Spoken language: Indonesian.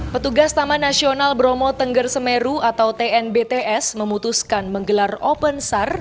petugas taman nasional bromo tengger semeru atau tnbts memutuskan menggelar open sar